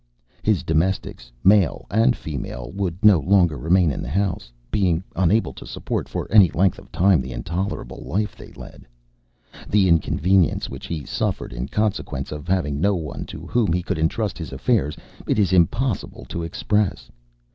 His domestics, male and female, would no longer remain in the house, being unable to support for any length of time the intolerable life they led. The inconvenience which he suffered in consequence of having no one to whom he could intrust his affairs it is impossible to express.